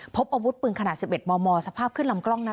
พบอาวุธปืนขนาด๑๑มมสภาพขึ้นลำกล้อง